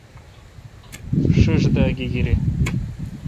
ݭݭ دا گیگیر۔